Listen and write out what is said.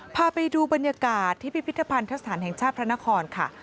พาไปดูบรรยากาศที่พิพิธภัณฑสถานแห่งชาติพระนครค่ะ